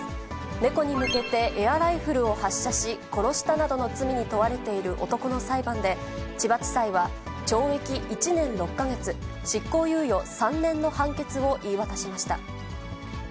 猫に向けてエアライフルを発射し、殺したなどの罪に問われている男の裁判で、千葉地裁は懲役１年６か月執行猶予３年の判決を言い渡しました。